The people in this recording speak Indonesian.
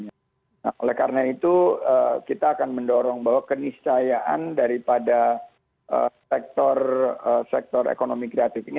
nah oleh karena itu kita akan mendorong bahwa keniscayaan daripada sektor ekonomi kreatif ini